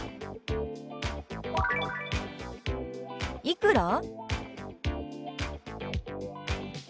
「いくら？」。